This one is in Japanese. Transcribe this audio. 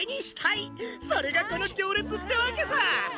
それがこの行列ってわけさ！